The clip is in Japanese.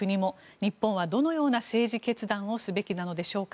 日本はどのような政治決断をすべきなのでしょうか。